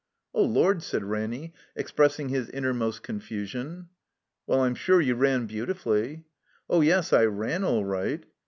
"Oh, Lord," said Ranny, expressing his innermost confusion. "Well, I'm sure you ran beautifully." "Oh, yes, I raw all right."